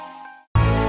ampun gusti prabu